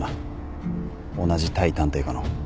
同じ対探偵課の。